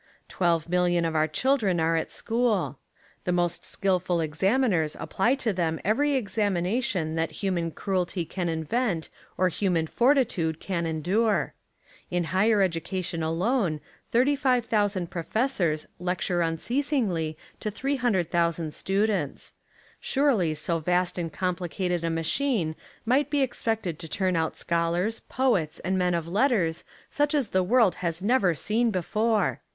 Twelve million of our children are at school. The most skilful examiners apply to them every examination that human cruelty can invent or human fortitude can endure. In higher educa tion alone thirty five thousand professors lecture unceasingly to three hundred thousand students. Surely so vast and complicated a machine might be expected to turn out scholars, poets, and men of letters such as the world has never seen before.